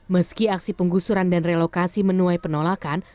meski aksi penggusuran dan relokasi menuai penolakan